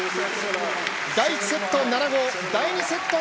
第１セット、７−５。